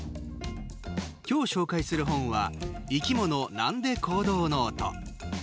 今日紹介する本は『生きもの「なんで？」行動ノート』。